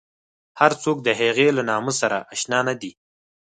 هر څوک د هغې له نامه سره اشنا نه دي.